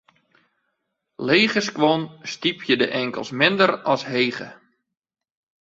Lege skuon stypje de ankels minder as hege.